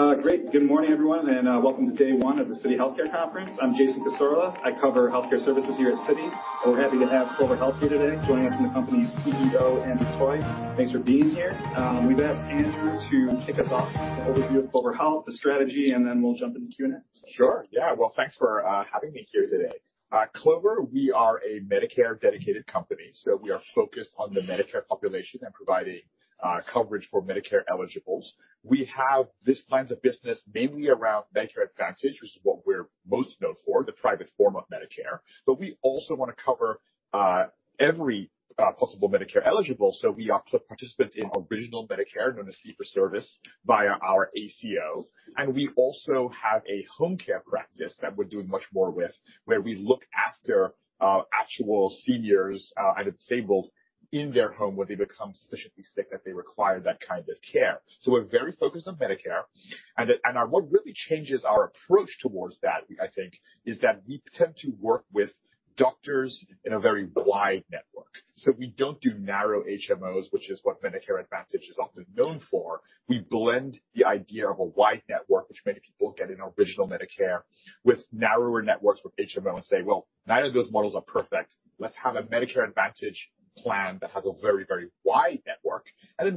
All right. Great. Good morning, everyone, and welcome to day one of the Citi Healthcare Conference. I'm Jason Cassorla. I cover healthcare services here at Citi. We're happy to have Clover Health here today. Joining us from the company is CEO, Andrew Toy. Thanks for being here. We've asked Andrew to kick us off with an overview of Clover Health, the strategy, and we'll jump into Q&A. Sure. Yeah. Thanks for having me here today. Clover, we are a Medicare dedicated company, so we are focused on the Medicare population and providing coverage for Medicare eligibles. We have this kind of business mainly around Medicare Advantage, which is what we're most known for, the private form of Medicare. We also wanna cover every possible Medicare eligible. We offer participants in original Medicare, known as fee-for-service, via our ACO. We also have a home care practice that we're doing much more with, where we look after actual seniors and disabled in their home, when they become sufficiently sick that they require that kind of care. We're very focused on Medicare. What really changes our approach towards that, I think, is that we tend to work with doctors in a very wide network. We don't do narrow HMOs, which is what Medicare Advantage is often known for. We blend the idea of a wide network, which many people get in original Medicare with narrower networks with HMO and say, "Well, neither of those models are perfect. Let's have a Medicare Advantage plan that has a very, very wide network."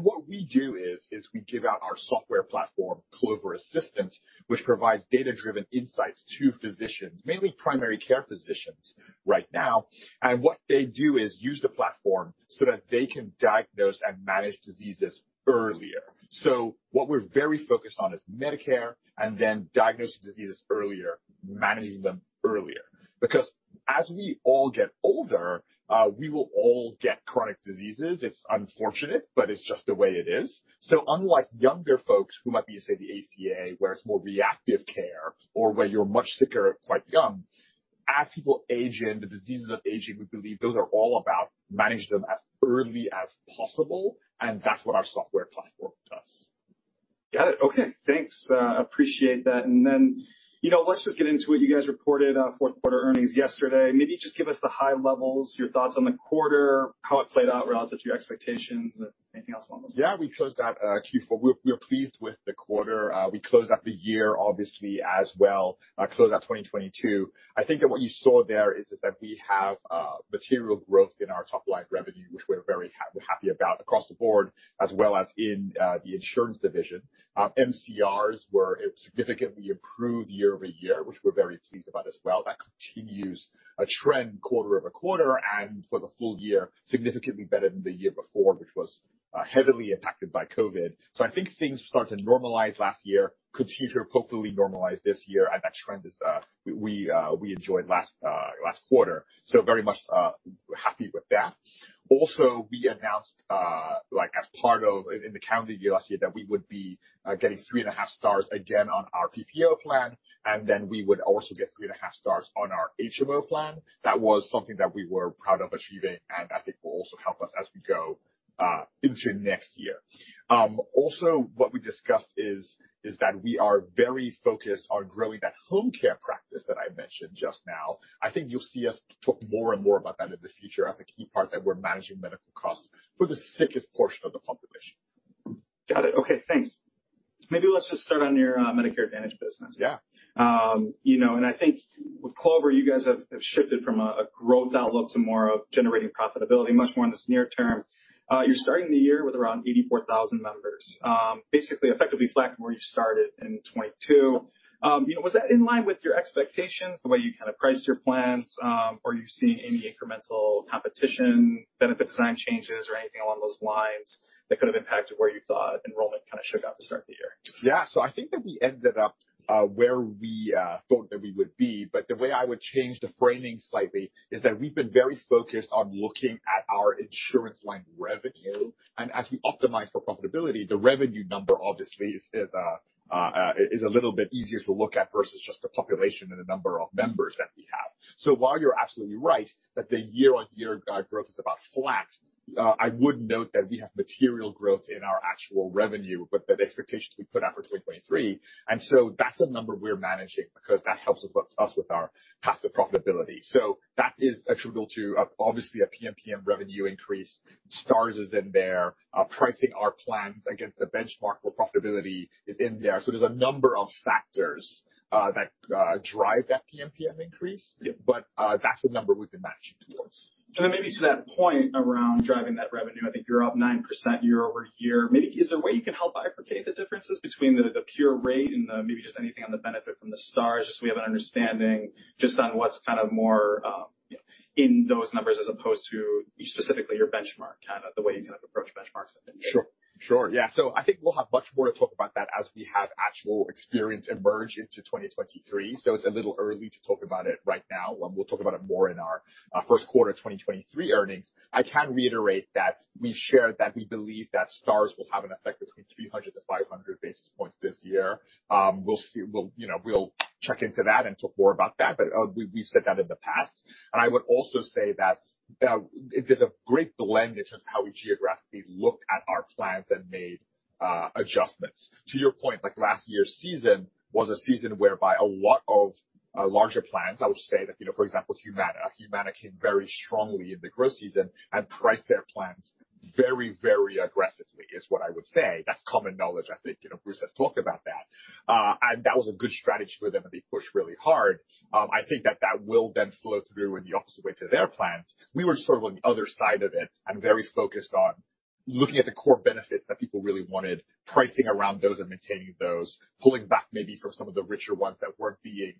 What we do is we give out our software platform, Clover Assistant, which provides data-driven insights to physicians, mainly primary care physicians right now. What they do is use the platform so that they can diagnose and manage diseases earlier. What we're very focused on is Medicare and then diagnosing diseases earlier, managing them earlier. As we all get older, we will all get chronic diseases. It's unfortunate, but it's just the way it is. Unlike younger folks who might be using the ACA, where it's more reactive care or where you're much sicker quite young, as people age in, the diseases of aging, we believe those are all about manage them as early as possible, and that's what our software platform does. Got it. Okay. Thanks. Appreciate that. You know, let's just get into it. You guys reported, fourth quarter earnings yesterday. Maybe just give us the high levels, your thoughts on the quarter, how it played out relative to your expectations, and anything else along those lines? Yeah. We closed out Q4. We're pleased with the quarter. We closed out the year obviously as well. Closed out 2022. I think that what you saw there is that we have material growth in our top line revenue, which we're very happy about across the board as well as in the insurance division. MCRs were significantly approved year-over-year, which we're very pleased about as well. That continues a trend quarter-over-quarter and for the full year, significantly better than the year before, which was heavily impacted by COVID. I think things started to normalize last year, continue to hopefully normalize this year, and that trend is we enjoyed last quarter. Very much, happy with that. We announced in the calendar year last year that we would be getting 3.5 stars again on our PPO plan, we would also get 3.5 stars on our HMO plan. That was something that we were proud of achieving and that it will also help us as we go into next year. What we discussed is that we are very focused on growing that home care practice that I mentioned just now. I think you'll see us talk more and more about that in the future as a key part that we're managing medical costs for the sickest portion of the population. Got it. Okay, thanks. Maybe let's just start on your Medicare Advantage business. Yeah. You know, I think with Clover, you guys have shifted from a growth outlook to more of generating profitability much more in this near term. You're starting the year with around 84,000 members, basically effectively flat from where you started in 2022. You know, was that in line with your expectations, the way you kinda priced your plans? Are you seeing any incremental competition, benefit design changes or anything along those lines that could have impacted where you thought enrollment kinda shook out to start the year? I think that we ended up where we thought that we would be. The way I would change the framing slightly is that we've been very focused on looking at our insurance line revenue. As we optimize for profitability, the revenue number obviously is a little bit easier to look at versus just the population and the number of members that we have. While you're absolutely right that the year-on-year growth is about flat, I would note that we have material growth in our actual revenue with the expectations we put out for 2023. That's the number we're managing because that helps us with our path to profitability. That is attributable to obviously a PMPM revenue increase. Stars is in there. Pricing our plans against the benchmark for profitability is in there. There's a number of factors that drive that PMPM increase. Yeah. That's the number we've been matching towards. Then maybe to that point around driving that revenue, I think you're up 9% year-over-year. Maybe is there a way you can help bifurcate the differences between the pure rate and, maybe just anything on the benefit from the stars, just so we have an understanding just on what's kind of more, in those numbers as opposed to specifically your benchmark, kinda the way you approach benchmarks? Sure. Sure. I think we'll have much more to talk about that as we have actual experience emerge into 2023. It's a little early to talk about it right now, and we'll talk about it more in our first quarter 2023 earnings. I can reiterate that we shared that we believe that Stars will have an effect between 300 basis points- 500 basis points this year. We'll, you know, we'll check into that and talk more about that, but we've said that in the past. I would also say that there's a great blend in terms of how we geographically looked at our plans and made adjustments. To your point, like, last year's season was a season whereby a lot of larger plans, I would say that, you know, for example, Humana. Humana came very strongly in the growth season and priced their plans very aggressively is what I would say. That's common knowledge. I think, you know, Bruce has talked about that. That was a good strategy for them, and they pushed really hard. I think that will then flow through in the opposite way to their plans. We were sort of on the other side of it and very focused on looking at the core benefits that people really wanted, pricing around those and maintaining those, pulling back maybe from some of the richer ones that weren't being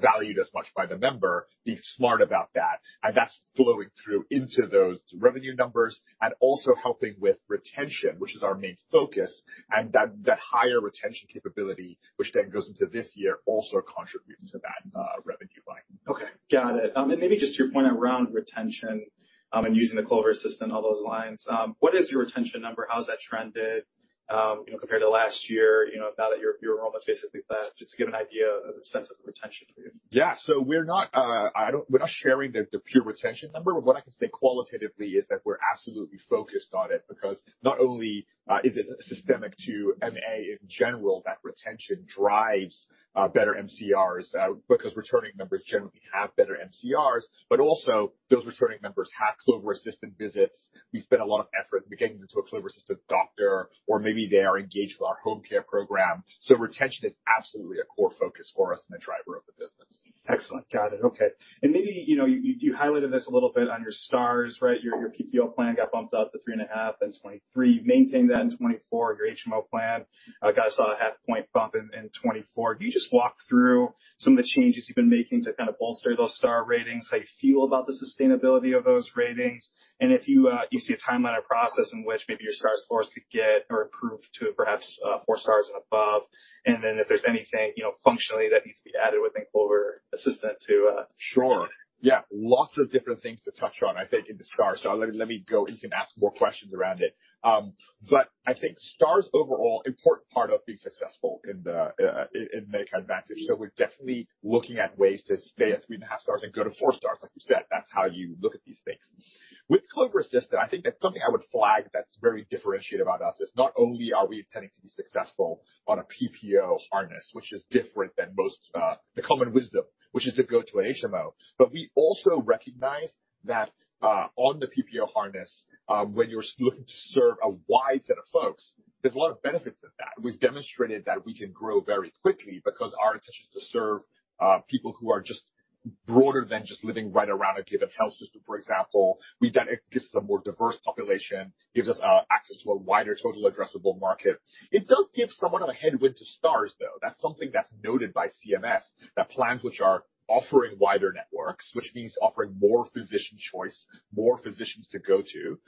valued as much by the member, being smart about that. That's flowing through into those revenue numbers and also helping with retention, which is our main focus. That higher retention capability, which then goes into this year, also contributes to that revenue line. Okay, got it. Maybe just to your point around retention, and using the Clover Assistant, all those lines. What is your retention number? How has that trended, you know, compared to last year, you know, now that your enrollment's basically flat, just to give an idea of the sense of the retention for you? Yeah. We're not, we're not sharing the pure retention number. What I can say qualitatively is that we're absolutely focused on it because not only is it systemic to MA in general that retention drives better MCRs, because returning members generally have better MCRs, but also those returning members have Clover Assistant visits. We spend a lot of effort getting them to a Clover Assistant doctor, or maybe they are engaged with our home care program. Retention is absolutely a core focus for us and a driver of the business. Excellent. Got it. Okay. Maybe, you know, you highlighted this a little bit on your stars, right? Your PPO plan got bumped up to 3.5 in 2023. Maintained that in 2024. Your HMO plan got a saw a 0.5 point bump in 2024. Can you just walk through some of the changes you've been making to kind of bolster those star ratings, how you feel about the sustainability of those ratings, and if you see a timeline or process in which maybe your star scores could get or improve to perhaps 4 stars and above. If there's anything, you know, functionally that needs to be added within Clover Assistant to. Sure. Yeah, lots of different things to touch on, I think, in the stars. Let me go. You can ask more questions around it. I think stars overall, important part of being successful in the Medicare Advantage. We're definitely looking at ways to stay at three and a half stars and go to four stars. Like you said, that's how you look at these things. With Clover Assistant, I think that something I would flag that's very differentiated about us is not only are we intending to be successful on a PPO harness, which is different than most, the common wisdom, which is to go to an HMO, but we also recognize that on the PPO harness, when you're looking to serve a wide set of folks, there's a lot of benefits of that. We've demonstrated that we can grow very quickly because our intention is to serve people who are just broader than just living right around a given health system, for example. We've done it. It gives a more diverse population, gives us access to a wider total addressable market. It does give somewhat of a headwind to stars, though. That's something that's noted by CMS, that plans which are offering wider networks, which means offering more physician choice, more physicians to go to,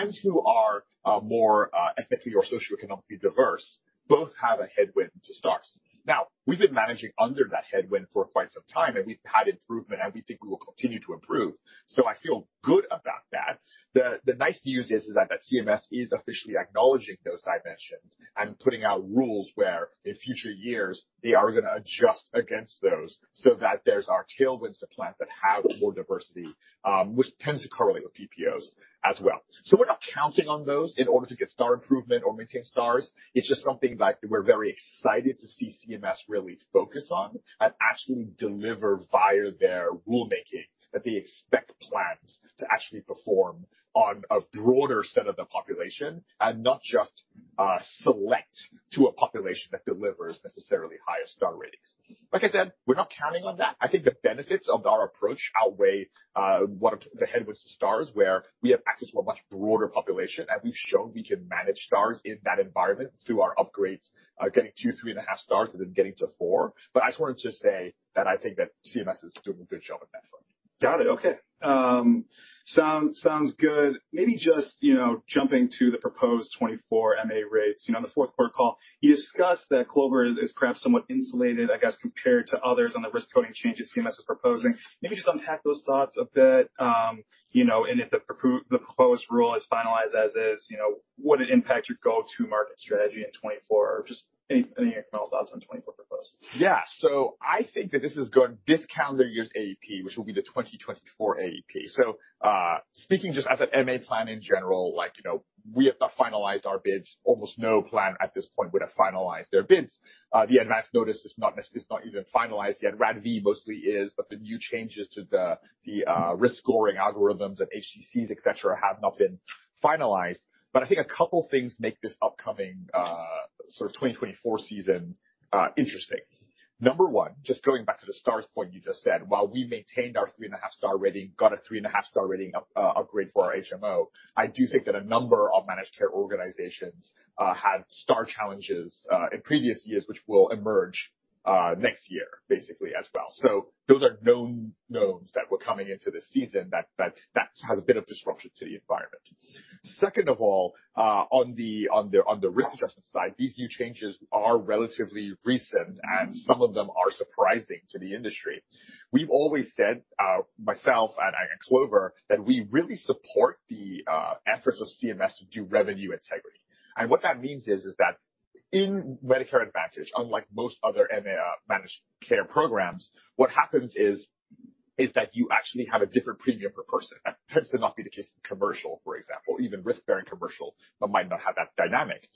and who are more ethnically or socioeconomically diverse, both have a headwind to stars. Now, we've been managing under that headwind for quite some time, and we've had improvement, and we think we will continue to improve. I feel good about that. The nice news is that CMS is officially acknowledging those dimensions and putting out rules where in future years they are gonna adjust against those so that there's our tailwinds to plans that have more diversity, which tends to correlate with PPOs as well. We're not counting on those in order to get star improvement or maintain stars. It's just something that we're very excited to see CMS really focus on and actually deliver via their rulemaking, that they expect plans to actually perform on a broader set of the population and not just select to a population that delivers necessarily higher star ratings. Like I said, we're not counting on that. I think the benefits of our approach outweigh one of the headwinds to stars, where we have access to a much broader population, and we've shown we can manage stars in that environment through our upgrades, getting to three and a half stars and then getting to four. I just wanted to say that I think that CMS is doing a good job with that for me. Got it. Okay. sounds good. Maybe just, you know, jumping to the proposed 2024 MA rates. You know, on the fourth quarter call, you discussed that Clover is perhaps somewhat insulated, I guess, compared to others on the risk coding changes CMS is proposing. Maybe just unpack those thoughts a bit, you know, and if the proposed rule is finalized as is, you know, would it impact your go-to-market strategy in 2024? Just any of your general thoughts on 2024 proposed. Yeah. I think that this is going this calendar year's AEP, which will be the 2024 AEP. Speaking just as an MA plan in general, like, you know, we have not finalized our bids. Almost no plan at this point would have finalized their bids. The advanced notice is not even finalized yet. RADV mostly is, but the new changes to the risk scoring algorithms and HCCs, et cetera, have not been finalized. I think a couple things make this upcoming, sort of 2024 season, interesting. Number one, just going back to the stars point you just said, while we maintained our 3.5 star rating, got a 3.5 star rating upgrade for our HMO, I do think that a number of managed care organizations had star challenges in previous years, which will emerge next year basically as well. Those are known knowns that were coming into this season that has a bit of disruption to the environment. Second of all, on the risk adjustment side, these new changes are relatively recent, and some of them are surprising to the industry. We've always said, myself and Clover, that we really support the efforts of CMS to do revenue integrity. What that means is that in Medicare Advantage, unlike most other MA managed care programs, what happens is that you actually have a different premium per person. That tends to not be the case in commercial, for example, even risk-bearing commercial that might not have that dynamic.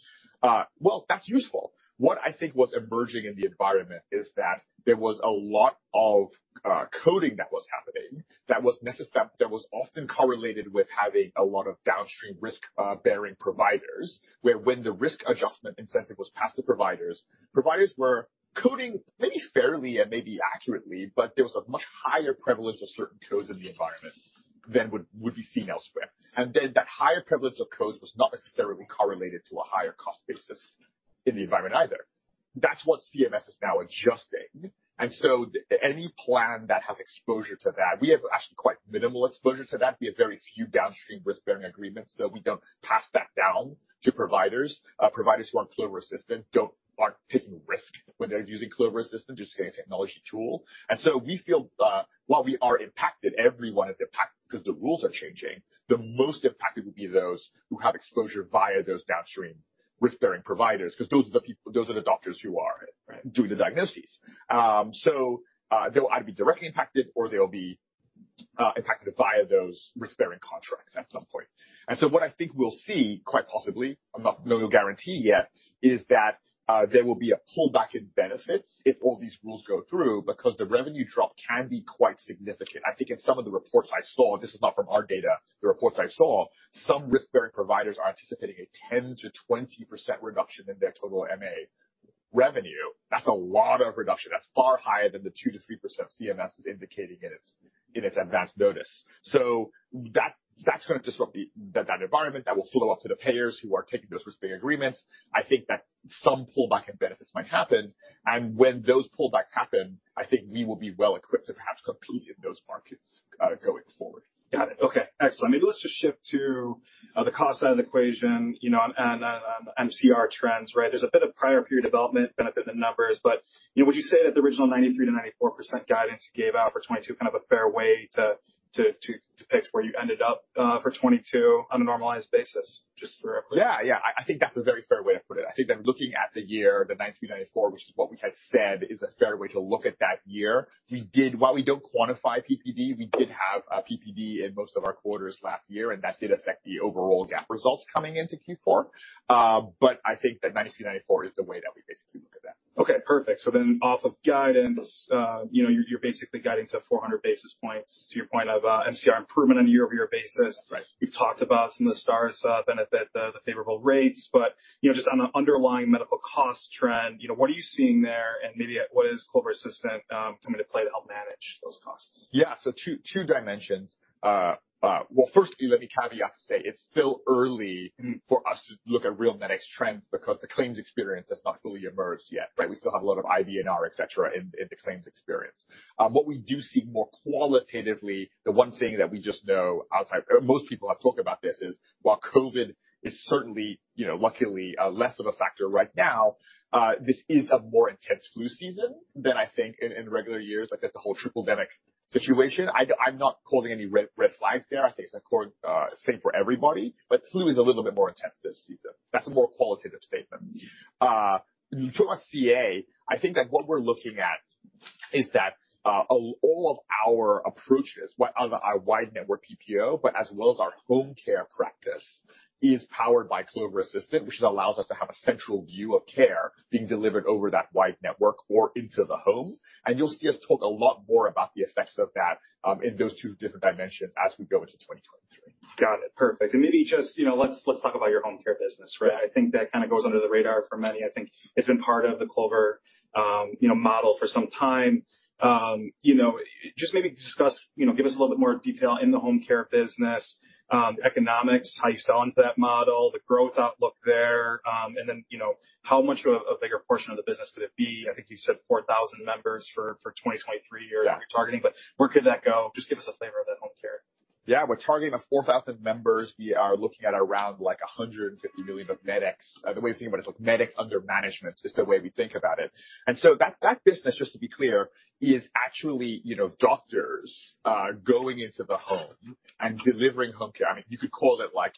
Well, that's useful. What I think was emerging in the environment is that there was a lot of coding that was happening that was often correlated with having a lot of downstream risk bearing providers, where when the risk adjustment incentive was passed to providers were coding maybe fairly and maybe accurately, but there was a much higher prevalence of certain codes in the environment than would be seen elsewhere. That higher prevalence of codes was not necessarily correlated to a higher cost basis in the environment either. That's what CMS is now adjusting. Any plan that has exposure to that, we have actually quite minimal exposure to that. We have very few downstream risk-bearing agreements, so we don't pass that down to providers. Providers who are Clover Assistant aren't taking risk when they're using Clover Assistant, just say a technology tool. We feel, while we are impacted, everyone is impacted because the rules are changing, the most impacted would be those who have exposure via those downstream risk-bearing providers, because those are the people, those are the doctors who are doing the diagnoses. They'll either be directly impacted or they'll be impacted via those risk-bearing contracts at some point. What I think we'll see, quite possibly, I'm no guarantee yet, is that there will be a pullback in benefits if all these rules go through because the revenue drop can be quite significant. I think in some of the reports I saw, this is not from our data, the reports I saw, some risk-bearing providers are anticipating a 10%-20% reduction in their total MA revenue. That's a lot of reduction. That's far higher than the 2%-3% CMS is indicating in its advanced notice. That's gonna disrupt that environment. That will flow up to the payers who are taking those risk-bearing agreements. I think that some pullback in benefits might happen. When those pullbacks happen, I think we will be well equipped to perhaps compete in those markets going forward. Got it. Okay. Excellent. Maybe let's just shift to the cost side of the equation, you know, and MCR trends, right? There's a bit of prior period development benefit in the numbers, but, you know, would you say that the original 93%-94% guidance you gave out for 2022, kind of a fair way to depict where you ended up for 2022 on a normalized basis? Just for a- Yeah. Yeah, I think that's a very fair way to put it. I think that looking at the year, the 93, 94, which is what we had said, is a fair way to look at that year. While we don't quantify PPD, we did have PPD in most of our quarters last year, and that did affect the overall GAAP results coming into Q4. I think that 93, 94 is the way that we basically look at that. Okay, perfect. Off of guidance, you know, you're basically guiding to 400 basis points to your point of, MCR improvement on a year-over-year basis. Right. We've talked about some of the stars, benefit the favorable rates. You know, just on the underlying medical cost trend, you know, what are you seeing there? Maybe what is Clover Assistant coming to play to help manage those costs? Yeah. two dimensions. Well, firstly, let me caveat to say it's still early for us to look at real medics trends because the claims experience has not fully emerged yet, right? We still have a lot of IBNR, et cetera, in the claims experience. What we do see more qualitatively, the one thing that we just know outside, most people have talked about this is while COVID is certainly, you know, luckily, less of a factor right now, this is a more intense flu season than I think in regular years. I guess the whole tripledemic situation. I'm not calling any red flags there. I think it's accord, same for everybody. Flu is a little bit more intense this season. That's a more qualitative statement. To our CA, I think that what we're looking at is that all of our approaches on our wide network PPO, but as well as our home care practice, is powered by Clover Assistant, which allows us to have a central view of care being delivered over that wide network or into the home. You'll see us talk a lot more about the effects of that, in those two different dimensions as we go into 2023. Got it. Perfect. Maybe just, you know, let's talk about your home care business, right? I think that kind of goes under the radar for many. I think it's been part of the Clover, you know, model for some time. You know, just maybe discuss, you know, give us a little bit more detail in the home care business, the economics, how you sell into that model, the growth outlook there, and then, you know, how much of a bigger portion of the business could it be? I think you said 4,000 members for 2023 year. Yeah. You're targeting, but where could that go? Just give us a flavor of that home care. We're targeting the 4,000 members. We are looking at around $150 million of Medex. The way to think about it is, Medex under management is the way we think about it. That business, just to be clear, is actually doctors going into the home and delivering home care. you could call it like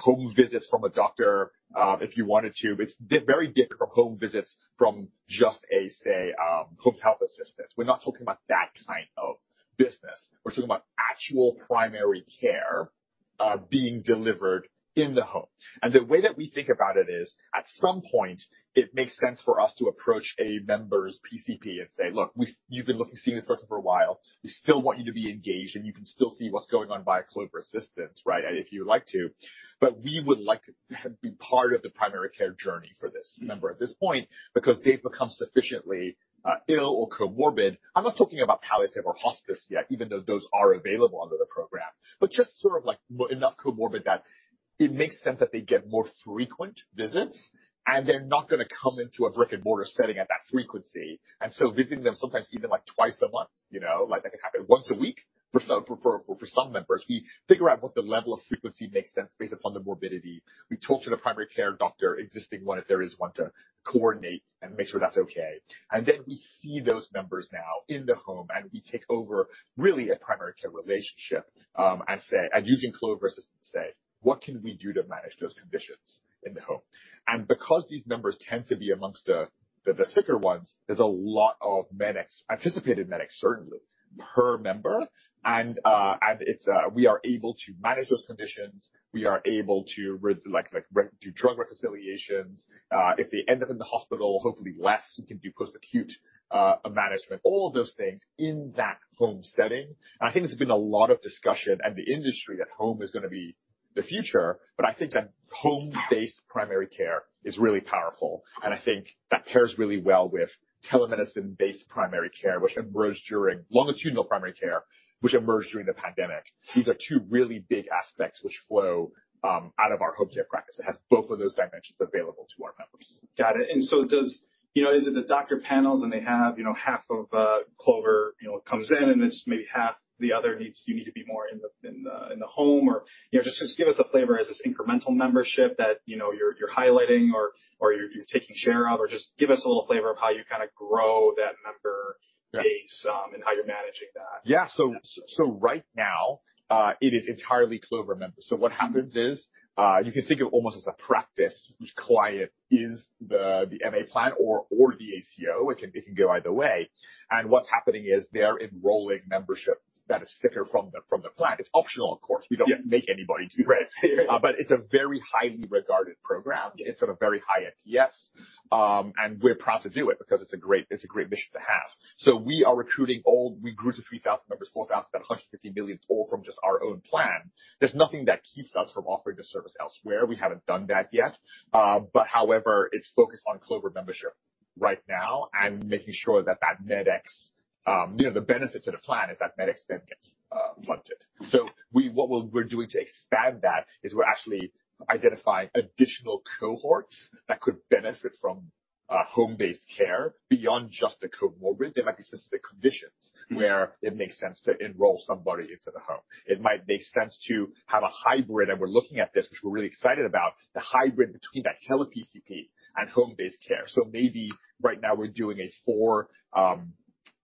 home visits from a doctor if you wanted to. It's very different from home visits from just a, say, home health assistant. We're not talking about that kind of business. We're talking about actual primary care being delivered in the home. The way that we think about it is at some point it makes sense for us to approach a member's PCP and say, "Look, you've been seeing this person for a while. We still want you to be engaged, and you can still see what's going on via Clover Assistant, right, if you would like to. We would like to be part of the primary care journey for this member at this point because they've become sufficiently ill or comorbid." I'm not talking about palliative or hospice yet, even though those are available under the program, but just sort of like enough comorbid that it makes sense that they get more frequent visits, and they're not gonna come into a brick-and-mortar setting at that frequency. Visiting them sometimes even, like, twice a month, you know. Like, that can happen once a week for some members. We figure out what the level of frequency makes sense based upon the morbidity. We talk to the primary care doctor, existing one, if there is one, to coordinate and make sure that's okay. We see those members now in the home, and we take over really a primary care relationship, using Clover Assistant say, "What can we do to manage those conditions in the home?" Because these members tend to be amongst the sicker ones, there's a lot of medics, anticipated medics, certainly per member. We are able to manage those conditions. We are able to do drug reconciliations. If they end up in the hospital, hopefully less, we can do post-acute management. All of those things in that home setting. I think there's been a lot of discussion in the industry that home is gonna be the future, but I think that home-based primary care is really powerful, and I think that pairs really well with telemedicine-based primary care, which emerged during longitudinal primary care, which emerged during the pandemic. These are two really big aspects which flow out of our home care practice. It has both of those dimensions available to our members. Got it. Does, you know, is it the doctor panels and they have, you know, half of Clover, you know, comes in, and it's maybe half the other needs to, you need to be more in the home or, you know, just give us a flavor? Is this incremental membership that, you know, you're highlighting or you're taking share of, or just give us a little flavor of how you kinda grow that member base? Yeah. How you're managing that. Yeah. Right now, it is entirely Clover members. What happens is, you can think of it almost as a practice which client is the MA plan or the ACO. It can go either way. What's happening is they're enrolling membership that is sticker from the plan. It's optional, of course. Yeah. We don't make anybody do this. Right. It's a very highly regarded program. Yeah. It's got a very high NPS. We're proud to do it because it's a great, it's a great mission to have. We grew to 3,000 members, 4,000, about $150 million, all from just our own plan. There's nothing that keeps us from offering the service elsewhere. We haven't done that yet. However, it's focused on Clover membership right now and making sure that that Medex, you know, the benefit to the plan is that Medex then gets funded. What we're doing to expand that is we're actually identifying additional cohorts that could benefit from home-based care beyond just the comorbid. There might be specific conditions- Mm-hmm. where it makes sense to enroll somebody into the home. It might make sense to have a hybrid, and we're looking at this, which we're really excited about, the hybrid between that tele PCP and home-based care.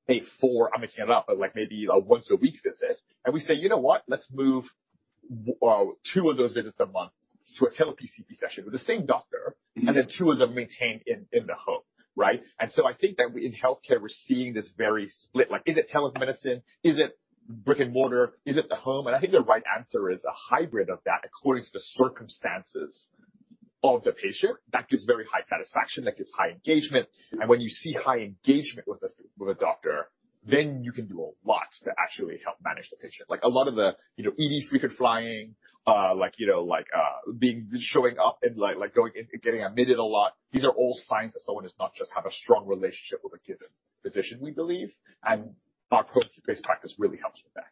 I'm making it up, but like maybe a once a week visit. We say, "You know what? Let's move two of those visits a month to a tele PCP session with the same doctor. Mm-hmm. Two of them maintained in the home. Right? I think that we in healthcare, we're seeing this very split. Like is it telemedicine? Is it brick-and-mortar? Is it the home? I think the right answer is a hybrid of that according to the circumstances of the patient. That gives very high satisfaction, that gives high engagement. When you see high engagement with a doctor, then you can do a lot to actually help manage the patient. Like a lot of the, you know, ED frequent flying, like, you know, like showing up and going and getting admitted a lot, these are all signs that someone does not just have a strong relationship with a given physician, we believe. Our home-based practice really helps with that.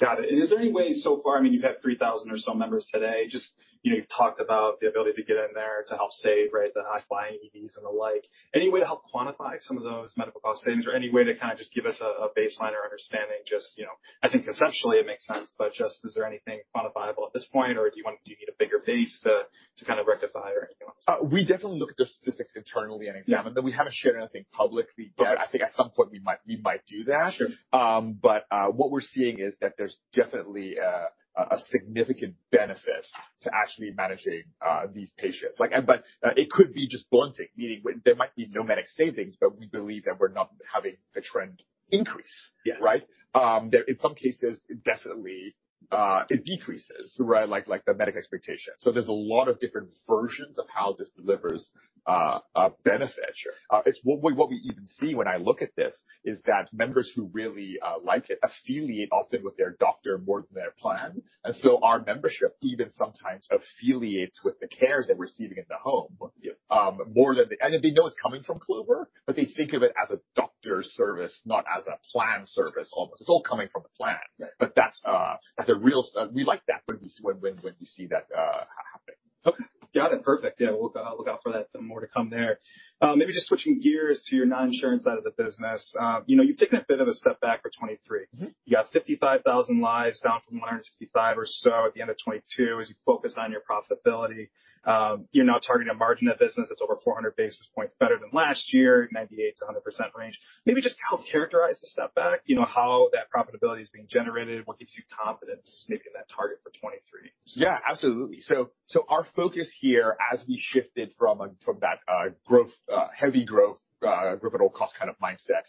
Got it. Is there any way so far, I mean, you've had 3,000 or so members today, just, you know, you've talked about the ability to get in there to help save, right, the high-flying EDs and the like, any way to kinda just give us a baseline or understanding just, you know, I think conceptually it makes sense, but just is there anything quantifiable at this point or do you need a bigger base to kind of rectify or anything like this? We definitely look at the statistics internally and examine. Yeah. We haven't shared anything publicly yet. Okay. I think at some point we might do that. Sure. What we're seeing is that there's definitely a significant benefit to actually managing these patients. It could be just blunting, meaning there might be no medic savings, but we believe that we're not having the trend increase. Yes. Right? In some cases, it definitely, it decreases. Right. Like the Medicare expectation. There's a lot of different versions of how this delivers a benefit. Sure. What we even see when I look at this is that members who really like it affiliate often with their doctor more than their plan. Our membership even sometimes affiliates with the care they're receiving in the home. Yeah. They know it's coming from Clover, but they think of it as a doctor service, not as a plan service, almost. Yeah. It's all coming from the plan. Right. We like that when we see, when we see that happen. Okay. Got it. Perfect. Yeah. We'll look out for that some more to come there. Maybe just switching gears to your non-insurance side of the business. You know, you've taken a bit of a step back for 23. Mm-hmm. You got 55,000 lives down from 165 or so at the end of 2022, as you focus on your profitability. You're now targeting a margin of business that's over 400 basis points better than last year, 98%-100% range. Maybe just how to characterize the step back, you know, how that profitability is being generated, what gives you confidence making that target for 2023? Absolutely. Our focus here as we shifted from that growth, heavy growth, global cost kind of mindset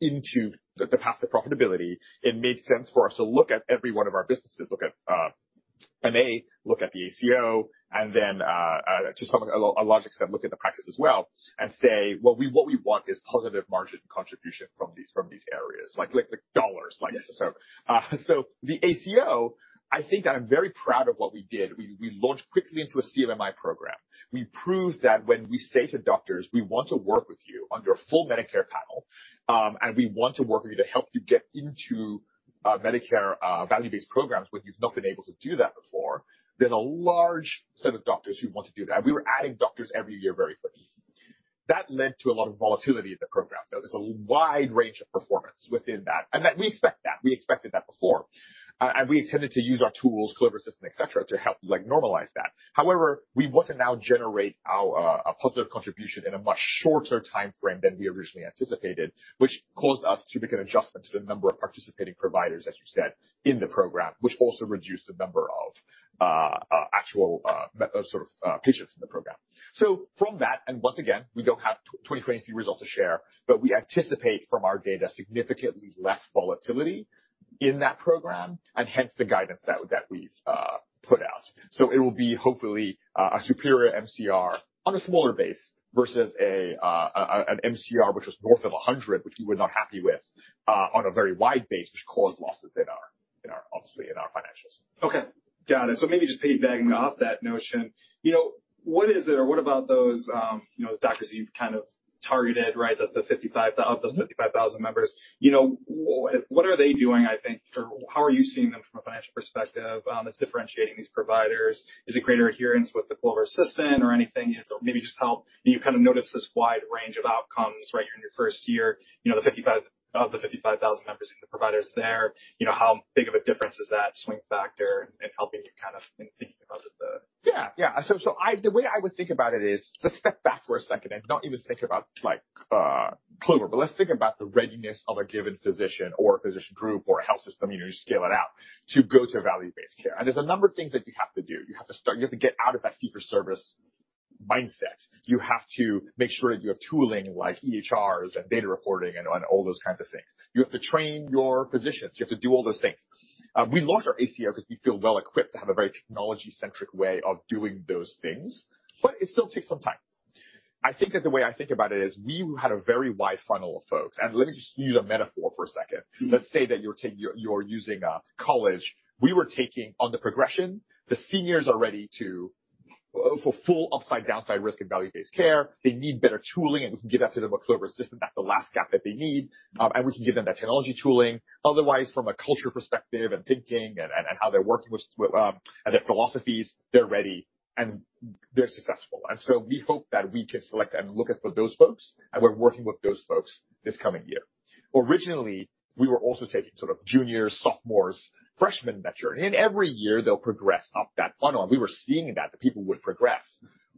into the path to profitability, it made sense for us to look at every one of our businesses, look at MA, look at the ACO, and then to some a logic sense, look at the practice as well, and say, what we want is positive margin contribution from these areas, like the dollars. Yes. The ACO, I think I'm very proud of what we did. We launched quickly into a CMI program. We proved that when we say to doctors, "We want to work with you on your full Medicare panel, and we want to work with you to help you get into Medicare value-based programs when you've not been able to do that before," there's a large set of doctors who want to do that. We were adding doctors every year very quickly. That led to a lot of volatility in the program. There's a wide range of performance within that. That we expect that. We expected that before. We intended to use our tools, Clover Assistant, et cetera, to help, like, normalize that. We want to now generate our a positive contribution in a much shorter timeframe than we originally anticipated, which caused us to make an adjustment to the number of participating providers, as you said, in the program, which also reduced the number of actual patients in the program. From that, and once again, we don't have 2023 results to share, but we anticipate from our data significantly less volatility in that program, and hence the guidance that we've put out. It will be hopefully a superior MCR on a smaller base versus an MCR which was north of 100, which we were not happy with on a very wide base, which caused losses in our obviously in our financials. Got it. Maybe just piggybacking off that notion, you know, what is it or what about those, you know, doctors you've kind of targeted, right? The 55,000 members, you know, what are they doing, I think, or how are you seeing them from a financial perspective, that's differentiating these providers? Is it greater adherence with the Clover Assistant or anything that maybe just help? Do you kind of notice this wide range of outcomes right here in your first year, you know, the 55,000 members and the providers there? You know, how big of a difference does that swing factor in helping you kind of in thinking about the- Yeah. Yeah. The way I would think about it is let's step back for a second and not even think about like, Clover, but let's think about the readiness of a given physician or a physician group or a health system, you know, you scale it out, to go to value-based care. There's a number of things that you have to do. You have to get out of that fee-for-service mindset. You have to make sure that you have tooling like EHRs and data reporting and all those kinds of things. You have to train your physicians, you have to do all those things. We launched our ACO because we feel well equipped to have a very technology-centric way of doing those things, but it still takes some time. I think that the way I think about it is we had a very wide funnel of folks, and let me just use a metaphor for a second. Mm-hmm. Let's say that you're using a college. We were taking on the progression. The seniors are ready to for full upside downside risk and value-based care. They need better tooling, and we can give that to them with Clover Assistant. That's the last gap that they need. And we can give them that technology tooling. Otherwise, from a culture perspective and thinking and how they're working with and their philosophies, they're ready and they're successful. We hope that we can select and look at for those folks, and we're working with those folks this coming year. Originally, we were also taking sort of juniors, sophomores, freshmen that year, and every year they'll progress up that funnel. We were seeing that people would progress.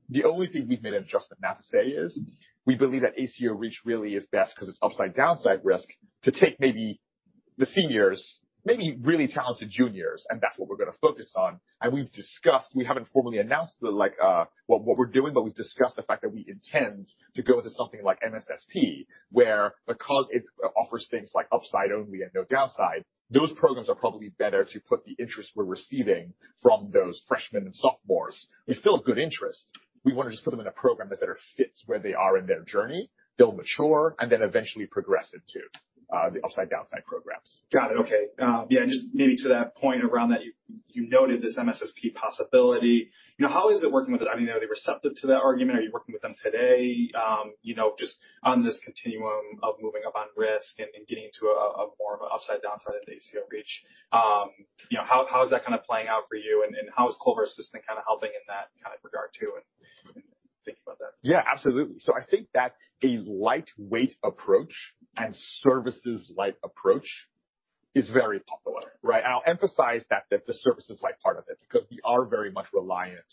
The only thing we've made an adjustment now to say is we believe that ACO REACH really is best because it's upside downside risk to take maybe the seniors, maybe really talented juniors, and that's what we're gonna focus on. We've discussed, we haven't formally announced the like, what we're doing, but we've discussed the fact that we intend to go into something like MSSP, where because it offers things like upside only and no downside, those programs are probably better to put the interest we're receiving from those freshmen and sophomores. It's still a good interest. We wanna just put them in a program that better fits where they are in their journey. They'll mature and then eventually progress into the upside downside programs. Got it. Okay. Just maybe to that point around that, you noted this MSSP possibility. You know, how is it working with it? I mean, are they receptive to that argument? Are you working with them today? You know, just on this continuum of moving up on risk and getting to a more of an upside downside of the ACO REACH. You know, how is that kind of playing out for you and how is Clover Assistant kinda helping in that kind of regard too, in thinking about that? Yeah, absolutely. I think that a lightweight approach and services light approach is very popular, right? I'll emphasize that the services light part of it, because we are very much reliant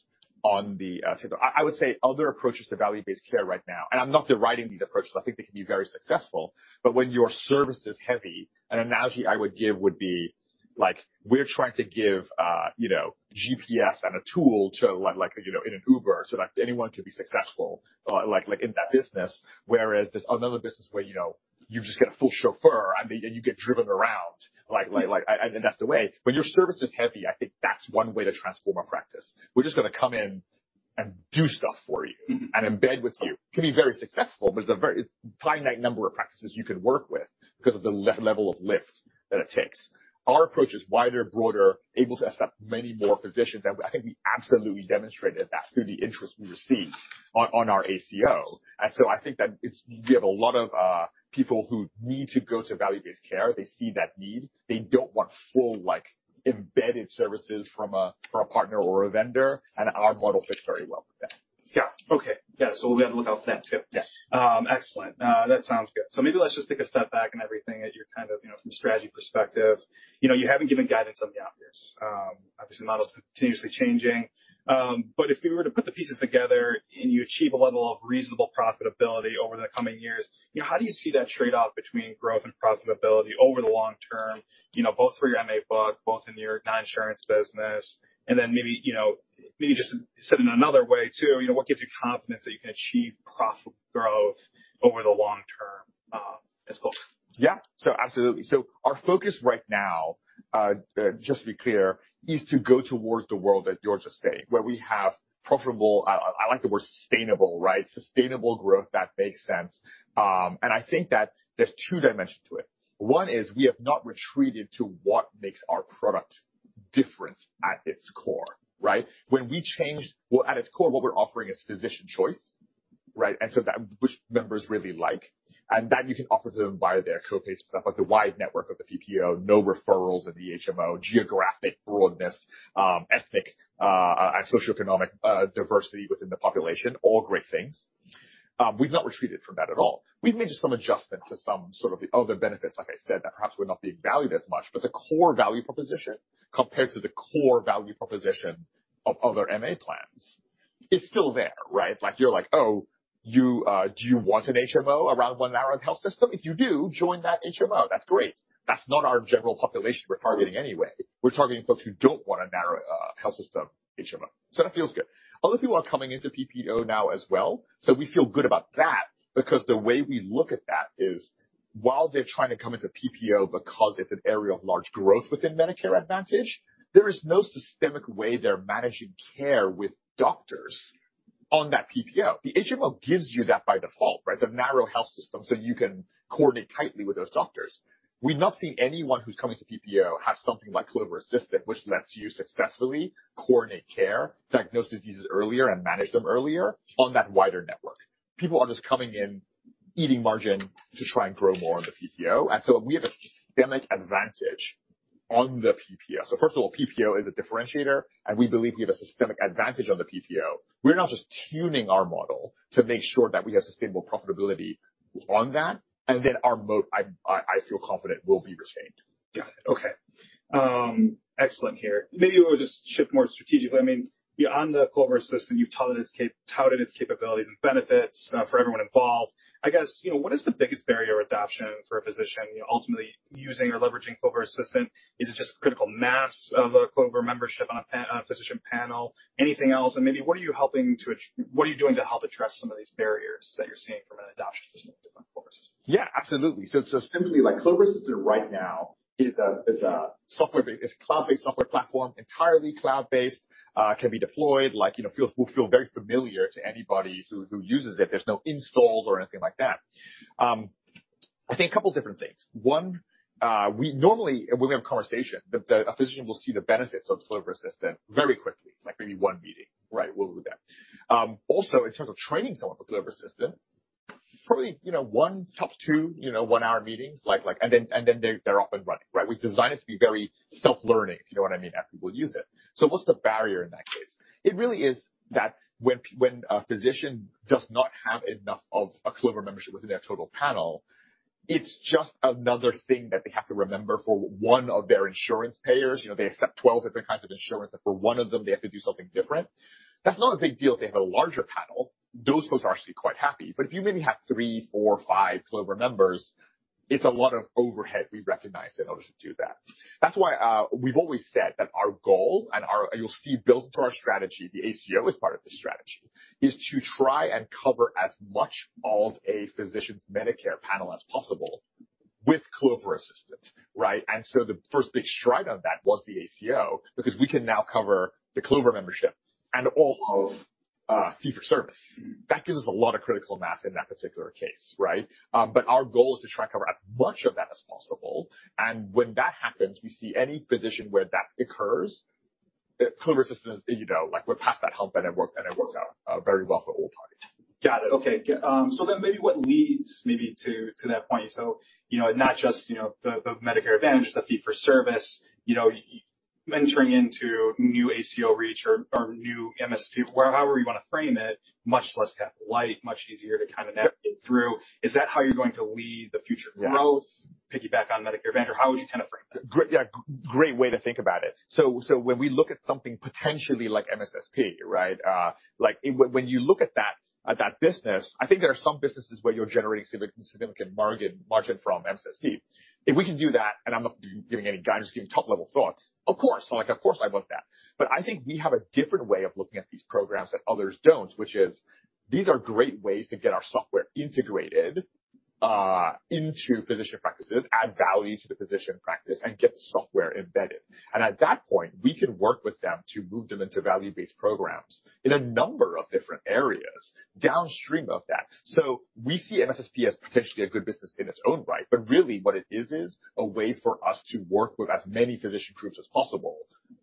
on the, I would say other approaches to value-based care right now. I'm not deriding these approaches. I think they can be very successful. When your service is heavy, an analogy I would give would be like we're trying to give, you know, GPS and a tool to like, you know, in an Uber, so that anyone can be successful, like in that business. Whereas there's another business where, you know, you just get a full chauffeur and you get driven around like, and that's the way. When your service is heavy, I think that's one way to transform a practice. We're just gonna come in and do stuff for you. Mm-hmm. Embed with you. Can be very successful, but it's a very finite number of practices you can work with because of the level of lift that it takes. Our approach is wider, broader, able to accept many more physicians. I think we absolutely demonstrated that through the interest we received on our ACO. I think that it's, you have a lot of people who need to go to value-based care. They see that need. They don't want full, like, embedded services from a partner or a vendor, and our model fits very well with that. Yeah. Okay. Yeah. We'll be on the lookout for that too. Yeah. Excellent. That sounds good. Maybe let's just take a step back and everything as you're kind of, you know, from a strategy perspective, you know, you haven't given guidance on the out years, obviously the model's continuously changing. If we were to put the pieces together and you achieve a level of reasonable profitability over the coming years, you know, how do you see that trade-off between growth and profitability over the long term, you know, both for your MA book, both in your non-insurance business, and then maybe, you know, maybe just said in another way too, you know, what gives you confidence that you can achieve profit growth over the long term, as well? Yeah. Absolutely. Our focus right now, just to be clear, is to go towards the world that you're just stating, where we have profitable... I like the word sustainable, right? Sustainable growth that makes sense. I think that there's two dimensions to it. One is we have not retreated to what makes our product different at its core, right? Well, at its core, what we're offering is physician choice, right? That which members really like, and that you can offer to them via their co-pay stuff, like the wide network of the PPO, no referrals in the HMO, geographic broadness, ethnic, and socioeconomic diversity within the population, all great things. We've not retreated from that at all. We've made just some adjustments to some sort of the other benefits, like I said, that perhaps were not being valued as much. The core value proposition compared to the core value proposition of other MA plans is still there, right? You're like, "Oh, you, do you want an HMO around one narrow health system? If you do, join that HMO." That's great. That's not our general population we're targeting anyway. We're targeting folks who don't want a narrow, health system HMO. That feels good. Other people are coming into PPO now as well, so we feel good about that because the way we look at that is while they're trying to come into PPO because it's an area of large growth within Medicare Advantage, there is no systemic way they're managing care with doctors. On that PPO. The HMO gives you that by default, right? It's a narrow health system, so you can coordinate tightly with those doctors. We've not seen anyone who's coming to PPO have something like Clover Assistant, which lets you successfully coordinate care, diagnose diseases earlier, and manage them earlier on that wider network. People are just coming in eating margin to try and grow more on the PPO. We have a systemic advantage on the PPO. First of all, PPO is a differentiator, and we believe we have a systemic advantage on the PPO. We're not just tuning our model to make sure that we have sustainable profitability on that, and then our I feel confident will be retained. Got it. Okay. Excellent here. Maybe we'll just shift more strategically. I mean, beyond the Clover Assistant, you've touted its capabilities and benefits for everyone involved. I guess, you know, what is the biggest barrier adoption for a physician, you know, ultimately using or leveraging Clover Assistant? Is it just critical mass of a Clover membership on a physician panel? Anything else? Maybe what are you doing to help address some of these barriers that you're seeing from an adoption perspective on Clover Assistant? Absolutely. Simply like Clover Assistant right now is a cloud-based software platform, entirely cloud-based, like, you know, will feel very familiar to anybody who uses it. There's no installs or anything like that. I think a couple different things. One, we normally, when we have a conversation, a physician will see the benefits of Clover Assistant very quickly, like maybe one meeting, right, we'll do that. Also, in terms of training someone for Clover Assistant, probably, you know, one, tops two, you know, one hour meetings, and then they're off and running, right? We've designed it to be very self-learning, if you know what I mean, as people use it. What's the barrier in that case? It really is that when a physician does not have enough of a Clover membership within their total panel, it's just another thing that they have to remember for one of their insurance payers. You know, they accept 12 different kinds of insurance. For one of them, they have to do something different. That's not a big deal if they have a larger panel. Those folks are actually quite happy. If you maybe have three, four, five Clover members, it's a lot of overhead, we recognize, in order to do that. That's why we've always said that our goal. You'll see built into our strategy, the ACO is part of the strategy, is to try and cover as much of a physician's Medicare panel as possible with Clover Assistant, right? The first big stride on that was the ACO, because we can now cover the Clover membership and all of fee-for-service. That gives us a lot of critical mass in that particular case, right? Our goal is to try to cover as much of that as possible. When that happens, we see any physician where that occurs, Clover Assistant is, you know, like we're past that hump, and it works out very well for all parties. Got it. Okay. Maybe what leads to that point? You know, not just, you know, the Medicare Advantage, the fee-for-service, you know, mentoring into new ACO REACH or new MSSP, however you wanna frame it, much less capital light, much easier to kind of navigate through. Is that how you're going to lead the future growth, piggyback on Medicare Advantage, or how would you kind of frame that? Great. Yeah, great way to think about it. When we look at something potentially like MSSP, right? Like when you look at that business, I think there are some businesses where you're generating significant margin from MSSP. If we can do that, and I'm not giving any guidance, giving top-level thoughts, of course, like, of course I want that. I think we have a different way of looking at these programs that others don't, which is these are great ways to get our software integrated into physician practices, add value to the physician practice, and get the software embedded. At that point, we can work with them to move them into value-based programs in a number of different areas downstream of that. We see MSSP as potentially a good business in its own right. Really what it is a way for us to work with as many physician groups as possible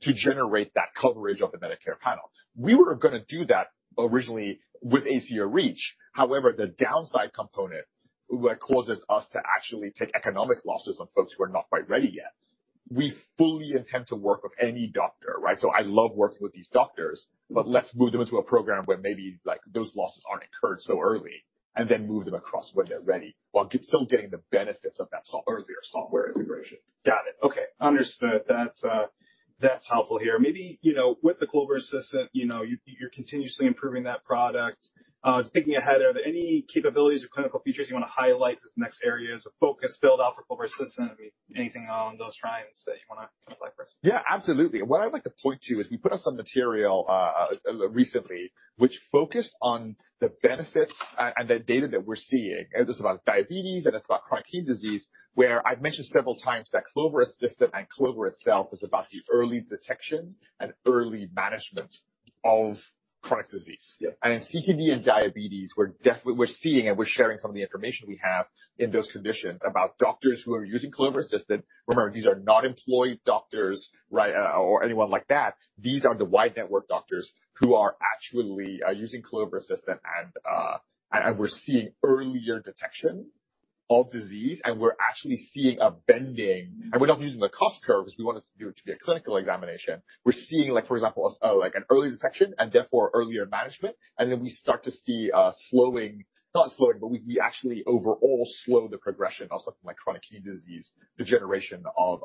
to generate that coverage of the Medicare panel. We were gonna do that originally with ACO REACH. However, the downside component, where it causes us to actually take economic losses on folks who are not quite ready yet, we fully intend to work with any doctor, right? I love working with these doctors, but let's move them into a program where maybe, like, those losses aren't incurred so early and then move them across when they're ready while still getting the benefits of that earlier software integration. Got it. Okay. Understood. That's helpful here. Maybe, you know, with the Clover Assistant, you know, you're continuously improving that product. Thinking ahead, are there any capabilities or clinical features you wanna highlight as the next areas of focus build out for Clover Assistant? Maybe anything on those fronts that you wanna flag for us? Yeah, absolutely. What I'd like to point to is we put out some material recently which focused on the benefits and the data that we're seeing. It's about diabetes, and it's about chronic kidney disease, where I've mentioned several times that Clover Assistant and Clover itself is about the early detection and early management of chronic disease. Yeah. In CKD and diabetes, we're seeing and we're sharing some of the information we have in those conditions about doctors who are using Clover Assistant. Remember, these are not employed doctors, right? Anyone like that. These are the wide network doctors who are actually using Clover Assistant and we're seeing earlier detection of disease, and we're actually seeing a bending. We're not using the cost curves. We want to do it via clinical examination. We're seeing like, for example, like an early detection and therefore earlier management. Then we start to see slowing, not slowing, but we actually overall slow the progression of something like chronic kidney disease, degeneration of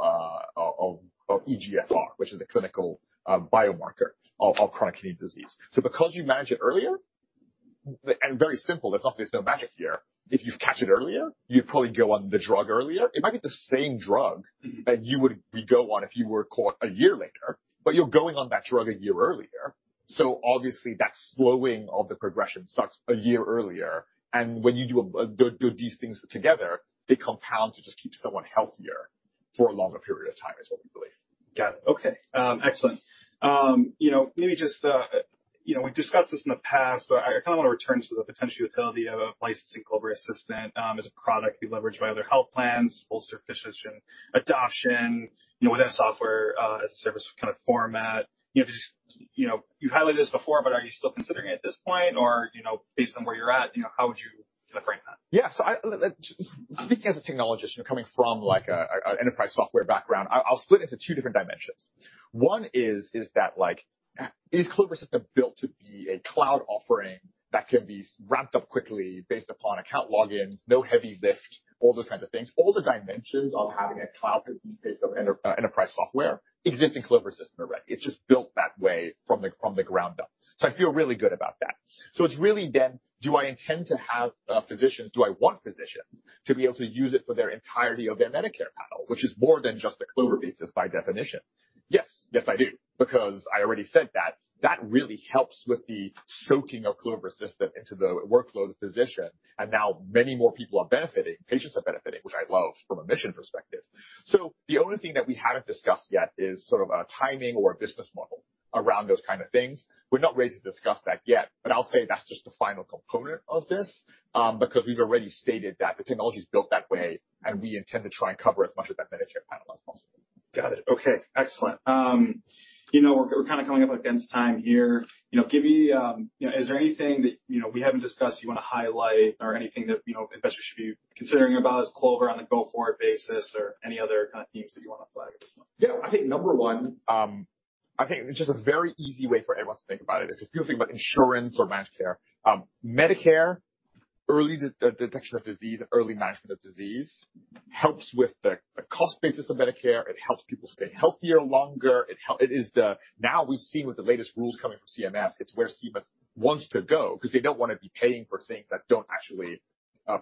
eGFR, which is a clinical biomarker of chronic kidney disease. Because you manage it earlier. Very simple. There's no magic here. If you catch it earlier, you probably go on the drug earlier. It might be the same drug that you would go on if you were caught a year later, but you're going on that drug a year earlier. Obviously, that slowing of the progression starts a year earlier. When you do these things together, they compound to just keep someone healthier for a longer period of time is what we believe. Got it. Okay. Excellent. You know, maybe just, you know, we've discussed this in the past, but I kinda wanna return to the potential utility of licensing Clover Assistant, as a product be leveraged by other health plans, bolster physician adoption, you know, with that Software as a Service kind of format. You know, just, you know, you've highlighted this before, but are you still considering it at this point? You know, based on where you're at, you know, how would you kind of frame that? Speaking as a technologist, you know, coming from, like, a enterprise software background, I'll split into two different dimensions. One is that, like, is Clover Assistant built to be a cloud offering that can be ramped up quickly based upon account logins, no heavy lift, all those kinds of things. All the dimensions of having a cloud-based piece of enterprise software exist in Clover Assistant already. It's just built that way from the ground up. I feel really good about that. It's really then do I intend to have physicians, do I want physicians to be able to use it for their entirety of their Medicare panel, which is more than just a Clover basis by definition. Yes. Yes, I do, because I already said that that really helps with the soaking of Clover System into the workflow of the physician. Now many more people are benefiting, patients are benefiting, which I love from a mission perspective. The only thing that we haven't discussed yet is sort of a timing or a business model around those kind of things. We're not ready to discuss that yet, but I'll say that's just the final component of this, because we've already stated that the technology is built that way, and we intend to try and cover as much of that Medicare panel as possible. Got it. Okay. Excellent. You know, we're kinda coming up against time here. You know, give me, you know, is there anything that, you know, we haven't discussed you wanna highlight or anything that, you know, investors should be considering about as Clover on a go-forward basis or any other kind of themes that you wanna flag at this point? I think number one, I think just a very easy way for everyone to think about it is if you're thinking about insurance or managed care, Medicare, early detection of disease and early management of disease helps with the cost basis of Medicare. It helps people stay healthier longer. Now we've seen with the latest rules coming from CMS, it's where CMS wants to go because they don't wanna be paying for things that don't actually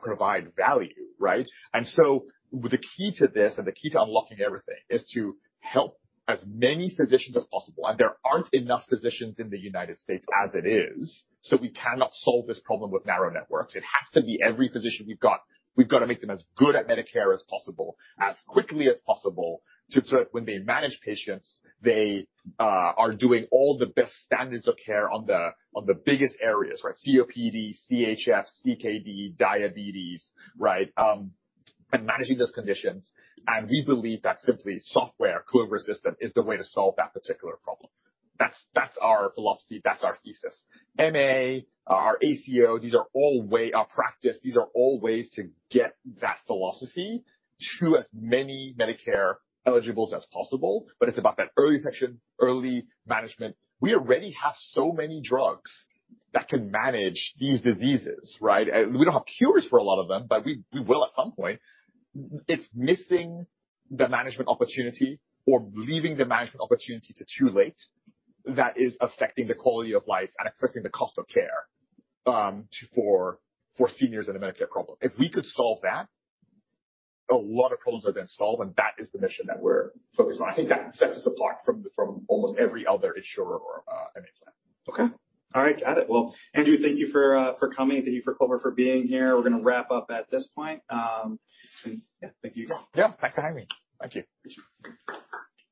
provide value, right? The key to this and the key to unlocking everything is to help as many physicians as possible. There aren't enough physicians in the United States as it is, so we cannot solve this problem with narrow networks. It has to be every physician we've got. We've got to make them as good at Medicare as possible, as quickly as possible to sort of when they manage patients, they are doing all the best standards of care on the, on the biggest areas, right? COPD, CHF, CKD, diabetes, right? And managing those conditions. We believe that simply software, Clover Assistant, is the way to solve that particular problem. That's, that's our philosophy, that's our thesis. MA, our ACO, these are all practice. These are all ways to get that philosophy to as many Medicare eligibles as possible. It's about that early detection, early management. We already have so many drugs that can manage these diseases, right? We don't have cures for a lot of them, but we will at some point. It's missing the management opportunity or leaving the management opportunity to too late that is affecting the quality of life and affecting the cost of care for seniors in the Medicare problem. If we could solve that, a lot of problems are then solved. That is the mission that we're focused on. I think that sets us apart from almost every other insurer or MA plan. Okay. All right. Got it. Andrew, thank you for for coming. Thank you for Clover for being here. We're gonna wrap up at this point. Thank you. Yeah. Thanks for having me. Thank you. Appreciate it.